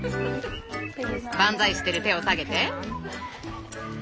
万歳してる手を下げて。